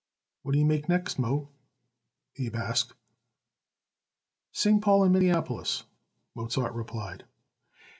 "What do you make next, Moe?" Abe asked. "St. Paul and Minneapolis," Mozart replied.